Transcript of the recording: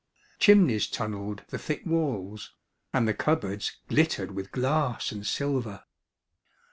Chimneys tunnelled the thick walls, and the cupboards glittered with glass and silver.